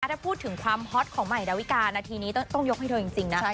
ถ้าพูดถึงความฮอตของใหม่ดาวิกานาทีนี้ต้องยกให้เธอจริงนะ